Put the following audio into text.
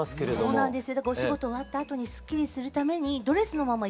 そうなんです。